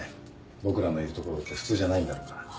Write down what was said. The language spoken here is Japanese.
僕らのいる所って普通じゃないんだろうから。